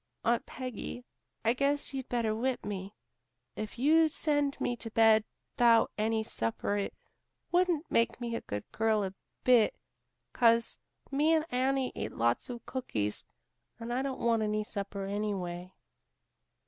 "Aunt Peggy, I guess you'd better whip me. If you send me to bed 'thout any supper it wouldn't make me a good girl a bit, 'cause me and Annie ate lots of cookies and I don't want any supper, anyway."